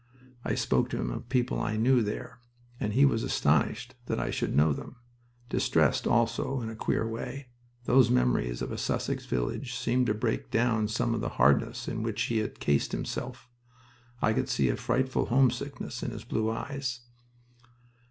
I spoke to him of people I knew there, and he was astonished that I should know them. Distressed also in a queer way. Those memories of a Sussex village seemed to break down some of the hardness in which he had cased himself. I could see a frightful homesickness in his blue eyes.